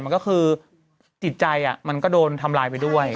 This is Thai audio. มันก็คือจิตใจมันก็โดนทำลายไปด้วย